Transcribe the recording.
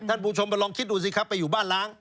คุณผู้ชมไปลองคิดดูสิครับไปอยู่บ้านล้าง